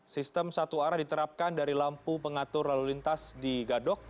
sistem satu arah diterapkan dari lampu pengatur lalu lintas di gadok